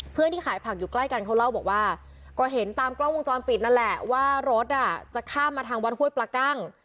ที่ขายผักอยู่ใกล้กันเขาเล่าบอกว่าก็เห็นตามกล้องวงจรปิดนั่นแหละว่ารถอ่ะจะข้ามมาทางวัดห้วยปลากั้ง